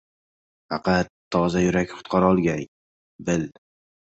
Faqat toza yurak qutqarolgay, bil